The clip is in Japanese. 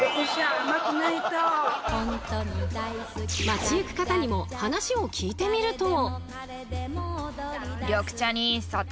街ゆく方にも話を聞いてみると。